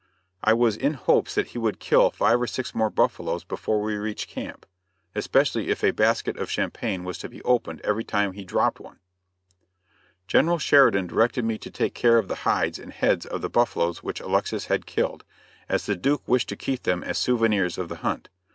I was in hopes that he would kill five or six more buffaloes before we reached camp, especially if a basket of champagne was to be opened every time he dropped one. General Sheridan directed me to take care of the hides and heads of the buffaloes which Alexis had killed, as the Duke wished to keep them as souvenirs of the hunt.